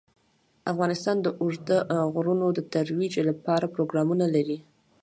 افغانستان د اوږده غرونه د ترویج لپاره پروګرامونه لري.